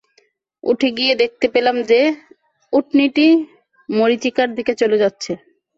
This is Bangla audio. উঠে গিয়ে দেখতে পেলাম যে, উটনীটি মরিচীকার দিকে চলে যাচ্ছে।